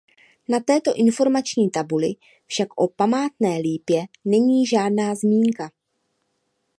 Na této informační tabuli však o památné lípě není žádná zmínka.